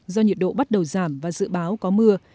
do nhiệt độ bắt đầu giảm và dự báo có mưa